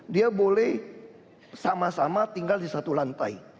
dia boleh sama sama tinggal di satu lantai